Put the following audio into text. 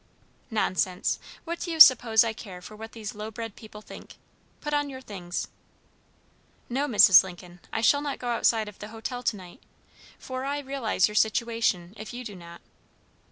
"Nonsense; what do you suppose I care for what these low bred people think? Put on your things." "No, Mrs. Lincoln, I shall not go outside of the hotel to night, for I realize your situation, if you do not.